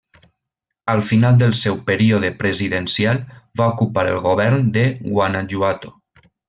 Al final del seu període presidencial va ocupar el govern de Guanajuato.